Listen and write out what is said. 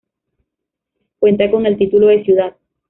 Cuenta con el título de ciudad.